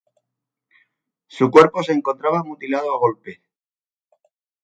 Su cuerpo se encontraba mutilado a golpes.